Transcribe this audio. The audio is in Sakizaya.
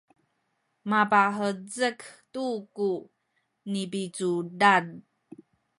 mapahezek tu ku nipicudad